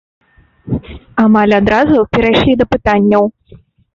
Амаль адразу перайшлі да пытанняў.